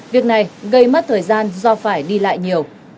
việc này gây mất thời gian do phải đi lại nhiều